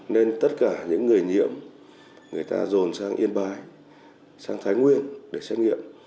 nên tất cả những người nhiễm người ta dồn sang yên bái sang thái nguyên để xét nghiệm